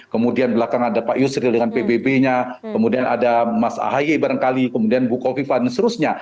kemudian belakang ada pak yusril dengan pbb nya kemudian ada mas ahaye barangkali kemudian bu kofifa dan seterusnya